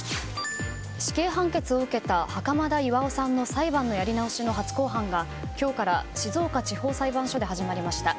死刑判決を受けた袴田巌さんの裁判のやり直しの初公判が、今日から静岡地方裁判所で始まりました。